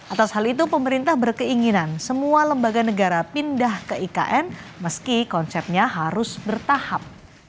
atas hal itu pemerintah berkeinginan semua lembaga negara pindah ke ikn meski konsepnya harus bertahap